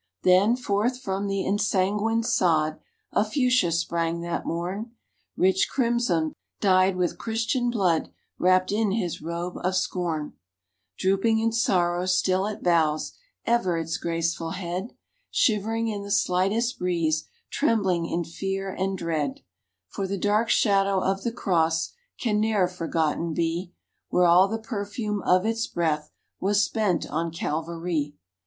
Then, forth from the ensanguined sod, A Fuchsia sprang that morn, Rich crimson, dyed with Christian blood, Wrapped in his "robe of scorn," Drooping in sorrow, still it bows Ever its graceful head; Shivering in the slightest breeze Trembling in fear and dread; For the dark shadow of the cross Can ne'er forgotten be, Where all the perfume of its breath Was spent on Calvary.